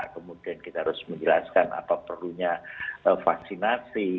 kemudian kita harus menjelaskan apa perlunya vaksinasi